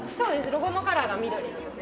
ロゴのカラーが緑なので。